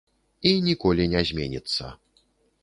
І ніколі не зменіцца.